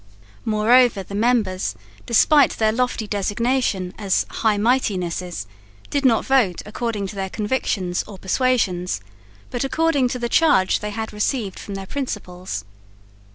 Moreover the members, despite their lofty designation as High Mightinesses, did not vote according to their convictions or persuasions, but according to the charge they had received from their principals.